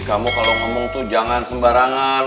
kamu kalau ngomong tuh jangan sembarangan